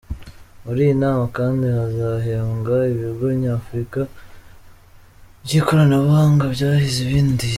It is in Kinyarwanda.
Muri iyi nama kandi, hazahembwa ibigo nyafurika by’ikoranabuhanga byahize ibindi.